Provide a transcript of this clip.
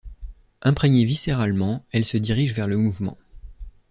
Imprégnée viscéralement, elle se dirige vers le mouvement.